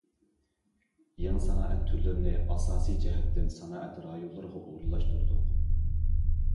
يېڭى سانائەت تۈرلىرىنى ئاساسىي جەھەتتىن سانائەت رايونلىرىغا ئورۇنلاشتۇردۇق.